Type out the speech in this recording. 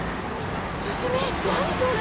芳美何それ！